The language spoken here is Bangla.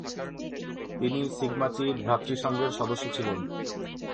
তিনি সিগমা চি ভ্রাতৃসংঘের সদস্য ছিলেন।